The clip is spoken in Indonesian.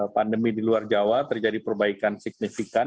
pandemi di luar jawa terjadi perbaikan signifikan